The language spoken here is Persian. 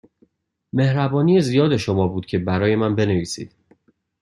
مهربانی زیاد شما بود که برای من بنویسید.